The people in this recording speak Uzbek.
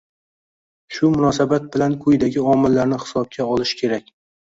Shu munosabat bilan quyidagi omillarni hisobga olish kerak